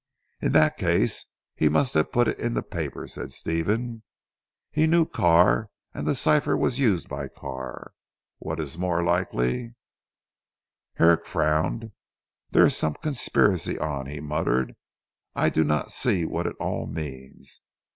"In that case he must have put it in the paper," said Stephen, "he knew Carr and the cipher was used by Carr. What is more likely " Herrick frowned. "There is some conspiracy on," he muttered. "I do not see what it all means.